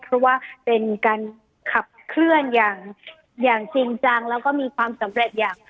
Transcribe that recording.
เพราะว่าเป็นการขับเคลื่อนอย่างจริงจังแล้วก็มีความสำเร็จอย่าง